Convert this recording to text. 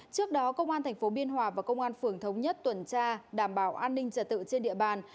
trước đó công an tp biên hòa và công an phường thống nhất tuần tra đảm bảo an ninh trả tự trên địa bàn